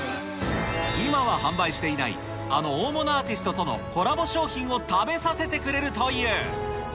今は販売していない、あの大物アーティストとのコラボ商品を食べさせてくれるという。